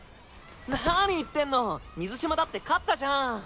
何言ってんの水嶋だって勝ったじゃん。